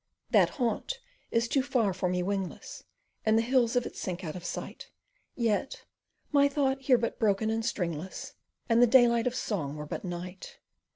That haunt is too far for me wingless, And the hills of it sink out of sight, Yet my thought were but broken and stringless, And the daylight of song were but night.